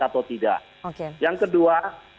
atau tidak yang kedua